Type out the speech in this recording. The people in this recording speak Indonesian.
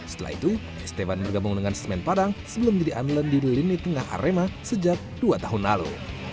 setelah itu esteban bergabung dengan semen padang sebelum menjadi andalan di lini tengah arema sejak dua tahun lalu